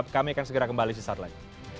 kami akan segera kembali sesaat lagi